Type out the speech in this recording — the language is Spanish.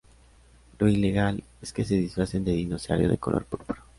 lo ilegal es que se disfracen de dinosaurio de color púrpura